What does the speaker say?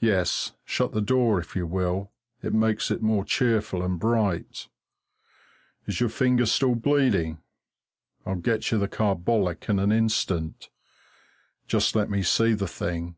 Yes, shut the door if you will; it makes it more cheerful and bright. Is your finger still bleeding? I'll get you the carbolic in an instant; just let me see the thing.